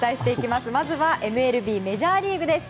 まずはＭＬＢメジャーリーグです。